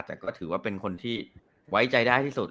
แต่ก็ถือว่าเป็นคนที่ไว้ใจได้ที่สุด